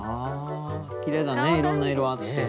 きれいだねいろんな色あって。